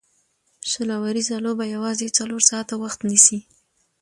شل اووريزه لوبه یوازي څلور ساعته وخت نیسي.